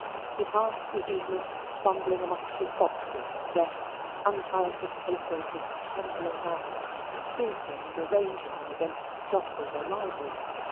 He passed the evening fumbling amongst his boxes and desks, untying his papers with trembling hands, and sorting and arranging them against Jos's arrival.